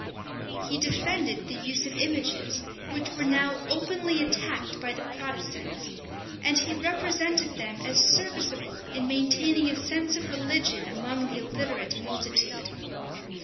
He defended the use of images, which were now openly attacked by the Protestants; and he represented them as serviceable in maintaining a sense of religion among the illiterate multitude.